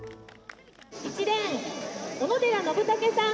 「１レーン小野寺のぶたけさん」。